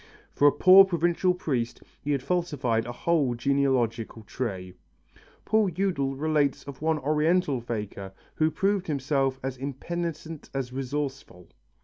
For a poor provincial priest he had falsified a whole genealogical tree. Paul Eudel relates of one Oriental faker who proved himself as impenitent as resourceful.